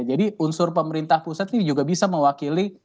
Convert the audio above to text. jadi unsur pemerintah pusat ini juga bisa mewakili